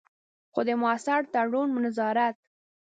خو د مؤثر تړون، نظارت.